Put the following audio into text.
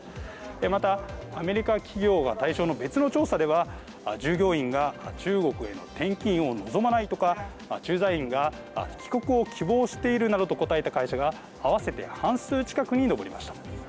また、アメリカ企業が対象の別の調査では従業員が中国への転勤を望まないとか駐在員が帰国を希望しているなどと答えた会社が合わせて半数近くに上りました。